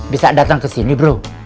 bisa datang ke sini bro